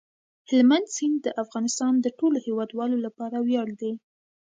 هلمند سیند د افغانستان د ټولو هیوادوالو لپاره ویاړ دی.